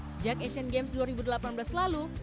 sejak asian games dua ribu delapan belas lalu